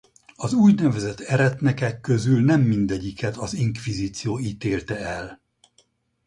Az úgynevezett eretnekek közül nem mindegyiket az inkvizíció ítélte el.